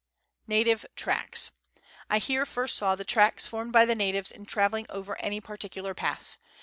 Native Tracks. I here first saw the tracks formed by the natives in travelling over any particular pass.